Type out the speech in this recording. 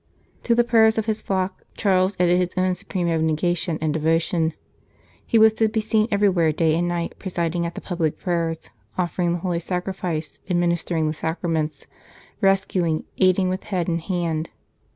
To the prayers of his flock Charles added his own supreme abnegation and devotion. He was to be seen everywhere day and night, presiding at the public prayers, offering the Holy Sacrifice, administering the Sacraments, rescuing, aiding with head and hand.